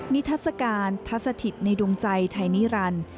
นิทัศกาลทัศถิตในดวงใจไทยนิรันดิ์